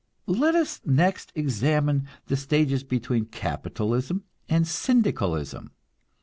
Let us next examine the stages between capitalism and Syndicalism.